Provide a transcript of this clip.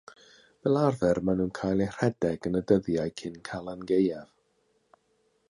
Fel arfer maen nhw'n cael eu rhedeg yn y dyddiau cyn Calan Gaeaf.